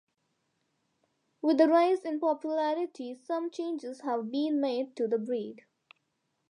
With the rise in popularity, some changes have been made to the breed.